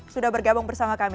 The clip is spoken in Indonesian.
sudah bergabung bersama kami